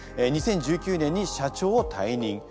２０１９年に社長を退任。